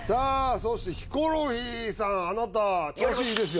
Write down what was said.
そしてヒコロヒーさんあなた調子いいですよ